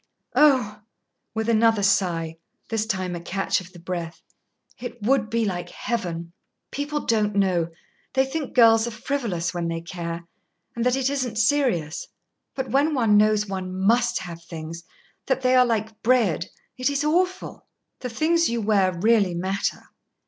"Oh!" with another sigh, this time a catch of the breath, "it would be like Heaven! People don't know; they think girls are frivolous when they care, and that it isn't serious. But when one knows one must have things, that they are like bread, it is awful!" "The things you wear really matter."